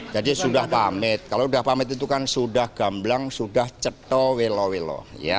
jadi sudah pamit kalau sudah pamit itu kan sudah gamblang sudah ceto wello wello